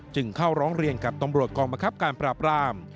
จึงเข้าร้องเรียนกับตำรวจกองบังคับการปราบราม